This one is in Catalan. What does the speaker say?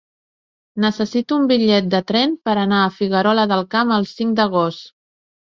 Necessito un bitllet de tren per anar a Figuerola del Camp el cinc d'agost.